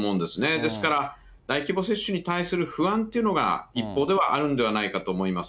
ですから、大規模接種に対する不安というのが、一方ではあるんではないかと思います。